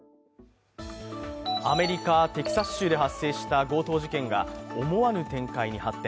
アメリカ・テキサス州で発生した強盗事件が思わぬ展開に発展。